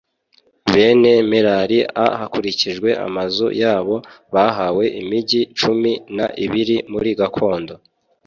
Bene merari a hakurikijwe amazu yabo bahawe imigi cumi n ibiri muri gakondo